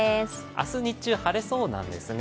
明日日中晴れそうなんですね。